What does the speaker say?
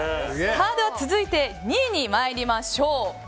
続いて２位に参りましょう。